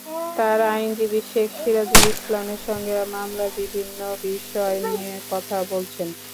তাঁর আইনজীবী শেখ সিরাজুল ইসলামের সঙ্গে মামলার বিভিন্ন বিষয় নিয়ে কথা বলছেন।